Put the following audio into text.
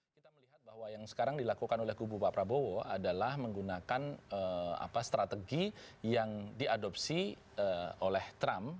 kita melihat bahwa yang sekarang dilakukan oleh kubu pak prabowo adalah menggunakan strategi yang diadopsi oleh trump